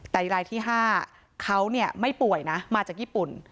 แต่รายที่๕เขาไม่ป่วยนะมาจากญี่ปุ่น